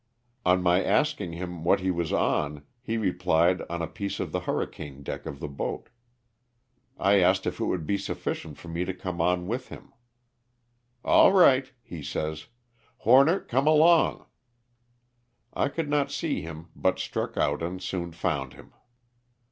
On my asking him what he was on he replied on a piece of the hurricane deck of the boat. I asked if it would be sufficient for me to come on with him, ''All right," he says, " Horner, come along." I could not see him but struck out and soon found him.